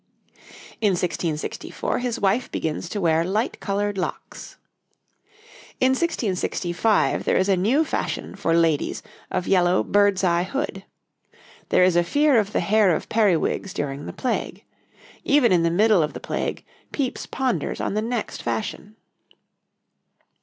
In 1664 his wife begins to wear light coloured locks. In 1665 there is a new fashion for ladies of yellow bird's eye hood. There is a fear of the hair of periwigs during the Plague. Even in the middle of the Plague Pepys ponders on the next fashion.